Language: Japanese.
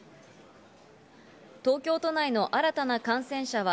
東京都内の新たな感染者は、